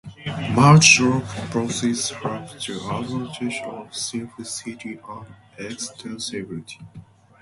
Multidrop buses have the advantage of simplicity and extensibility.